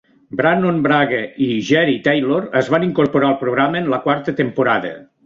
Brannon Braga i Jeri Taylor es van incorporar al programa en la quarta temporada.